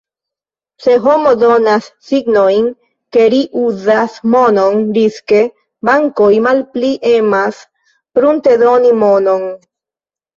Se homo donas signojn, ke ri uzas monon riske, bankoj malpli emas pruntedoni monon.